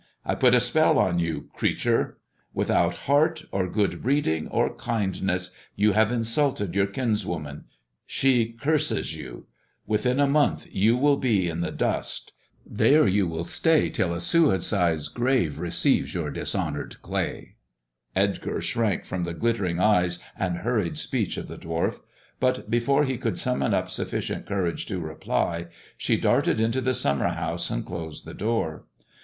I put a spell a you, creature ! Without heart, or good breeding, or indness, you have insulted your kinswoman. She curses )u I Within a month you will be in the dust — there you ill stay till a suicide's grave receives your dishonoured Edgar shrank from the glittering eyes and hurried speech the dwarf; but before he could summon up sufficient urage to reply, she darted into the summer house and >sed the door.